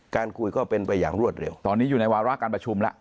การคุยก็เป็นไปอย่างรวดเร็วตอนนี้อยู่ในวาระการประชุมแล้ว